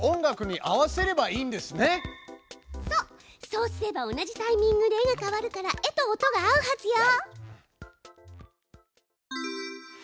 そうすれば同じタイミングで絵が変わるから絵と音が合うはずよ。